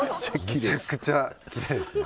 めちゃくちゃキレイですね。